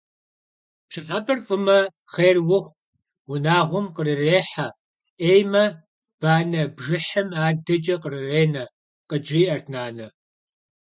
«Пщӏыхьэпӏэр фӀымэ, хъер ухъу, унагъуэм кърырехьэ, Ӏеймэ, банэ бжыхьым адэкӀэ кърыренэ», – къыджиӀэрт нанэ.